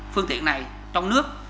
phương tiện này trong nước